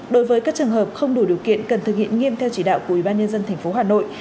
đối với các trường hợp không đủ điều kiện cần thực hiện nghiêm theo chỉ đạo của ubnd tp hà nội